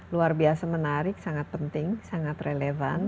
luar biasa menarik sangat penting sangat relevan